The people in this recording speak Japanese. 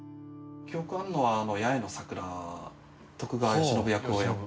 記憶があるのは『八重の桜』徳川慶喜役をやってて。